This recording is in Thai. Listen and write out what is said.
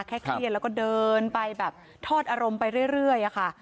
เครียดแล้วก็เดินไปแบบทอดอารมณ์ไปเรื่อยค่ะ